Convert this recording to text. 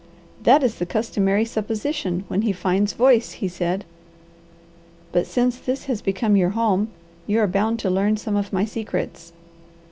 "That is the customary supposition when he finds voice," he said. "But since this has become your home, you are bound to learn some of my secrets.